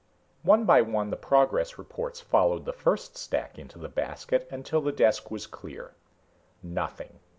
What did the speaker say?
One by one the progress reports followed the first stack into the basket, until the desk was clear. Nothing.